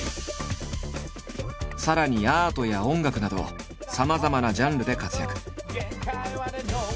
さらにアートや音楽などさまざまなジャンルで活躍。